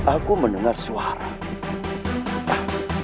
aku mendengar suara